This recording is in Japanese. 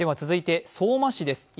続いて相馬市です。